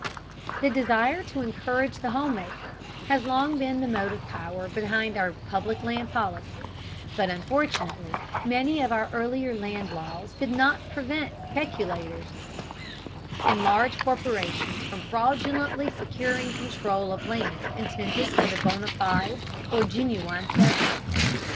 The desire to encourage the home maker has long been the motive power behind our public land policy, but unfortunately many of our earlier land laws did not prevent peculators and large corporations from fraudulently securing control of land intended for the bona fide or genuine settler.